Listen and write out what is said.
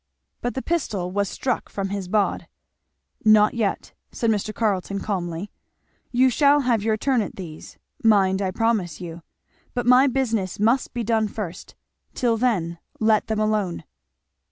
But the pistol was struck from his baud. "Not yet," said Mr. Carleton calmly, "you shall have your turn at these, mind, I promise you; but my business must be done first till then, let them alone!"